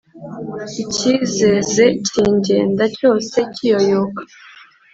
icyizeze kingenda cyose kiyoyoka